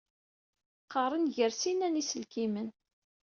Qaren gar sin-a n yiselkimen.